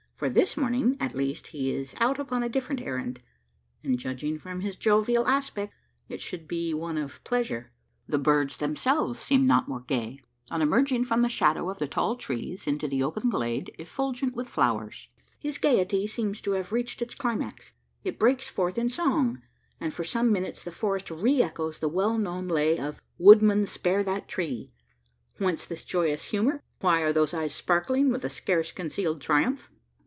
For this morning, at least, he is out upon a different errand; and, judging from his jovial aspect, it should be one of pleasure. The birds themselves seem not more gay. On emerging from the shadow of the tall trees into the open glade effulgent with flowers, his gaiety seems to have reached its climax: it breaks forth in song; and for some minutes the forest re echoes the well known lay of "Woodman spare that tree." Whence this joyous humour? Why are those eyes sparkling with a scarce concealed triumph?